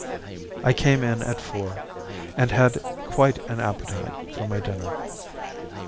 I came in at four, and had quite an appetite for my dinner.